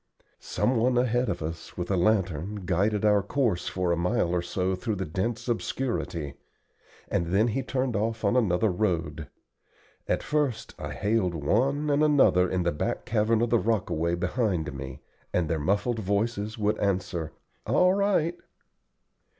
Some one ahead of us, with a lantern, guided our course for a mile or so through the dense obscurity, and then he turned off on another road. At first I hailed one and another in the black cavern of the rockaway behind me, and their muffled voices would answer, "All right."